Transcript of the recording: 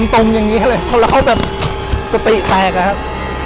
ตมอย่างนี้เลยแล้วเขาแบบสติแปลกอะครับ